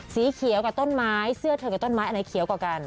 สีเขียวกับต้นไม้เสื้อเธอกับต้นไม้อันไหนเขียวกว่ากัน